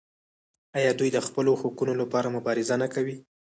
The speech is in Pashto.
آیا دوی د خپلو حقونو لپاره مبارزه نه کوي؟